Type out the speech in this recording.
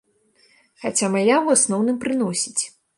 Хаця мая ў асноўным прыносіць.